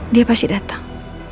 dia pasti datang